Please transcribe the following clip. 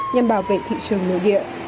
nhằm bảo vệ thị trường nổ địa